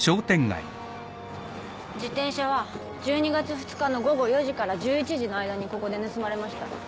自転車は１２月２日の午後４時から１１時の間にここで盗まれました